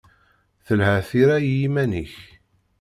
Telha tira i yiman-ik.